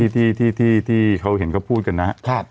ที่ที่เห็นเขาพูดกันนะ